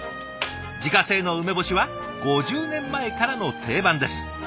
自家製の梅干しは５０年前からの定番です。